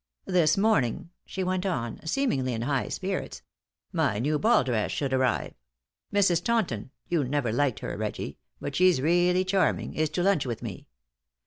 "This morning," she went on, seemingly in high spirits, "my new ball dress should arrive. Mrs. Taunton you never liked her, Reggie, but she's really charming is to lunch with me.